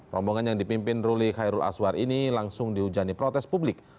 rombongan yang dipimpin ruli khairul aswar ini langsung dihujani protes publik